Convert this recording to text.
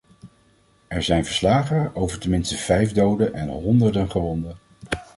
Er zijn verslagen over ten minste vijf doden en honderden gewonden.